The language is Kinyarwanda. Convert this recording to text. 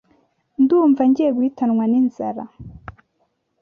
ndumva ngiye guhitanwa n’inzara